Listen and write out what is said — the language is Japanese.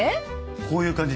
こういう感じ。